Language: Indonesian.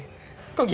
kok gitu sih